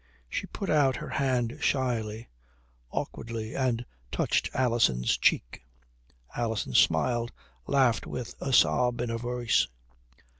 She put out her hand shyly, awkwardly, and touched Alison's cheek. Alison smiled, laughed with a sob in her voice.